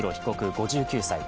５９歳。